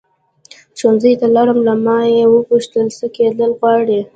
ښوونځي ته لاړم له ما یې وپوښتل څه کېدل غواړې.